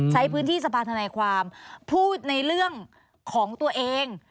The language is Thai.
ใช้พื้นที่สภาธนายความพูดในเรื่องของตัวเอง